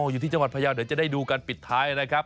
อยู่ที่จังหวัดพยาวเดี๋ยวจะได้ดูกันปิดท้ายนะครับ